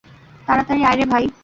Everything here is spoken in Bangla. তাড়াতাড়ি আয় রে ভাই!